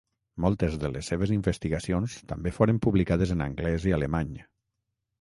Moltes de les seves investigacions també foren publicades en anglès i alemany.